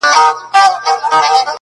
پښتانه لکه مګس ورباندي ګرځي!